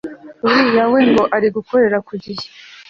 uriya we ngo ari gukorera ku gihe